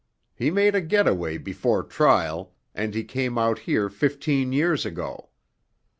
He made a getaway before trial, and he came out here fifteen years ago.